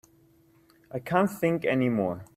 I can't think any more.